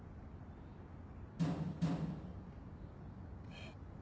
えっ？